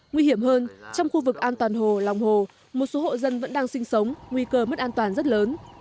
nguy hiểm hơn trong khu vực an toàn hồ lòng hồ một số hộ dân vẫn đang sinh sống nguy cơ mất an toàn rất lớn